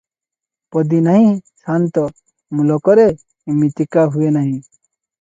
ପଦୀ-ନାହିଁ ସାନ୍ତ! ମୁଲକରେ ଇମିତିକା ହୁଏ ନାହିଁ ।